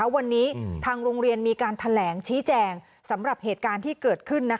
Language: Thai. วันนี้ทางโรงเรียนมีการแถลงชี้แจงสำหรับเหตุการณ์ที่เกิดขึ้น